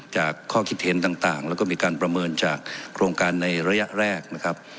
ข้อคิดเห็นต่างแล้วก็มีการประเมินจากโครงการในระยะแรกนะครับ